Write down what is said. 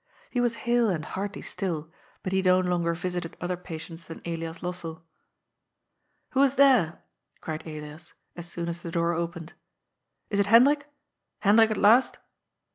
He was hale and hearty still, but he no longer visited other patients than Elias Lossell. " Who is there ?" cried Elias, as soon as the door opened. "Is it Hendrik? Hendrik at last?"